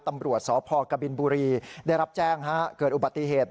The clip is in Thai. ตำรวจสพกบินบุรีได้รับแจ้งเกิดอุบัติเหตุ